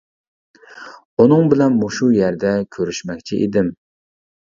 ئۇنىڭ بىلەن مۇشۇ يەردە كۆرۈشمەكچى ئىدىم.